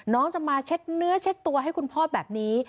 น้องจะมาเช็ดเนื้อเช็ดตัวให้คุณพ่อแบบนี้